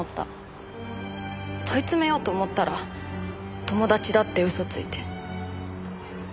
問い詰めようと思ったら友達だって嘘ついて。